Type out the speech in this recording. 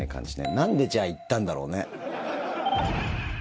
なんでじゃあ、行ったんだろうね？